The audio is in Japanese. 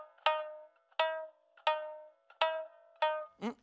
ん？